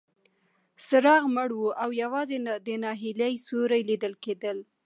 څراغ مړ و او یوازې د ناهیلۍ سیوري لیدل کېدل.